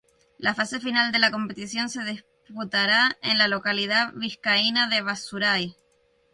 La fase final de la competición se disputará en la localidad vizcaína de Basauri.